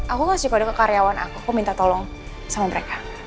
aku kasih pada ke karyawan aku aku minta tolong sama mereka